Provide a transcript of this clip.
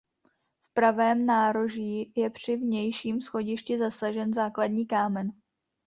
V pravém nároží je při vnějším schodišti zasazen základní kámen.